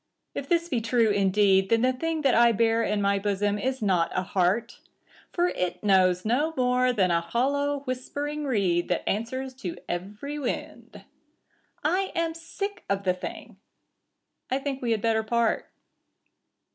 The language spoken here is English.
If this be true indeed, Then the thing that I bear in my bosom is not a heart, For it knows no more than a hollow, whispering reed That answers to every wind. I am sick of the thing. I think we had better part.